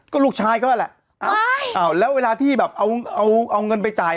ก็ลูกชายก็แหละแล้วเวลาที่เอาเงินไปจ่าย